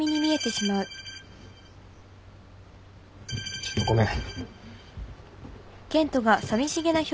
ちょっとごめん。